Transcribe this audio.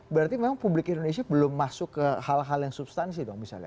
berarti memang publik indonesia belum masuk ke hal hal yang substansi dong misalnya